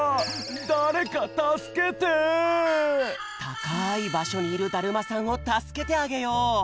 たかいばしょにいるだるまさんをたすけてあげよう！